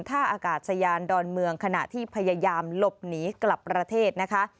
ท่าอากาศยานดอนเมืองขณะที่พยายามหลบหนีกลับประเทศนะคะ